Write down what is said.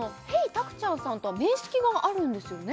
たくちゃんさんとは面識があるんですよね？